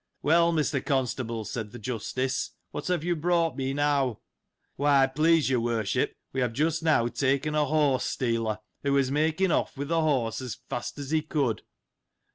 Well, Mr. Constable, said th' Justice, what have you brought me, now ? Why, please your Worship, we have just now taken a horse stealer, who was making off with the horse as fast as he could.